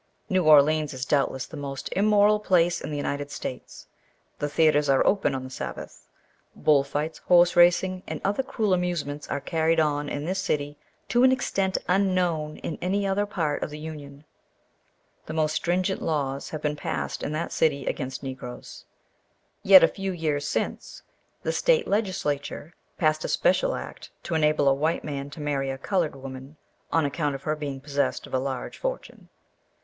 "New Orleans is doubtless the most immoral place in the United States. The theatres are open on the Sabbath. Bull fights, horse racing, and other cruel amusements are carried on in this city to an extent unknown in any other part of the Union. The most stringent laws have been passed in that city against Negroes, yet a few years since the State Legislature passed a special act to enable a white man to marry a coloured woman, on account of her being possessed of a large fortune.